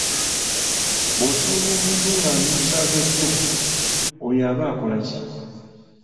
Bw'osanga omuntu ng'amyusa agajjo, oyo aba akola ki?